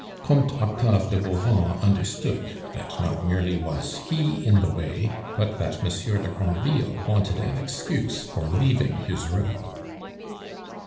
Comte Octave de Bauvan understood that not merely was he in the way, but that Monsieur de Granville wanted an excuse for leaving his room.